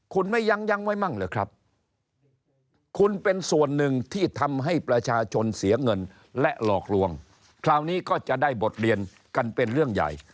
คุณไม่ยั้งไว้มั่งหรือครับคุณเป็นส่วนหนึ่งที่ทำให้ประชาชนเสียเงินและหลอกลวงคราวนี้ก็จะได้บทเรียนกันเป็นเรื่องใหญ่